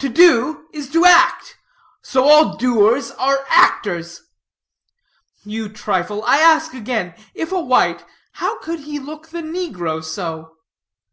To do, is to act; so all doers are actors." "You trifle. I ask again, if a white, how could he look the negro so?"